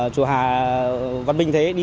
chùa hà văn minh thế